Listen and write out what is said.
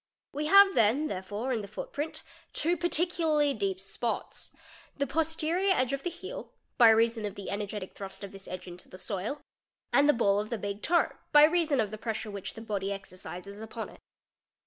We have then there Fig. 88. re in the footprint two particularly deep spots: the posterior edge of ® heel, by reason of the energetic thrust of this edge into the soil, nd the ball of the big toe, by reason of the pressure which the body Xercises upon it.